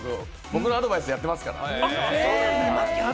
僕のアドバイスでやってますから。